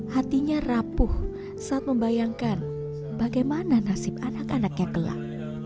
hatinya rapuh saat membayangkan bagaimana nasib anak anaknya gelap